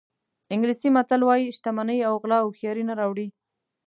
انګلیسي متل وایي شتمني او غلا هوښیاري نه راوړي.